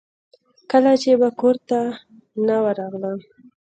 کله چې به کورته نه ورغلم.